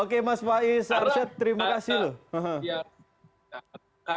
oke mas faiz arsyad terima kasih loh